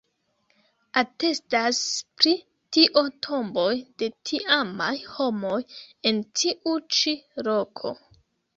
Atestas pri tio tomboj de tiamaj homoj en tiu ĉi loko.